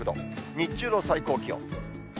日中の最高気温。